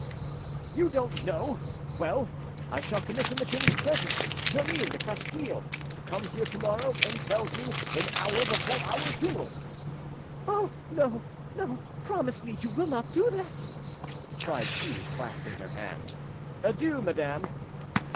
"You don't know? Well, I shall commission the king's treasurer, Jeannin de Castille, to come here to morrow and tell you, an hour before our duel." "Oh no! no! Promise me you will not do that!" cried she, clasping her hands. "Adieu, madame."